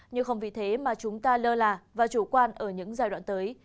nhưng không vì thế mà chúng ta lơ là và chủ quan ở những giai đoạn tới